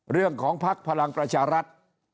เรื่องของภักดิ์พลังประชารัฐ